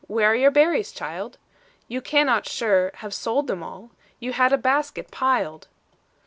Where are your berries, child? You cannot, sure, have sold them all, You had a basket piled."